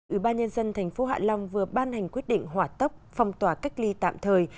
ủy ban nhân dân tp hạ long vừa ban hành quyết định hỏa tốc phong tỏa cách ly tạm thời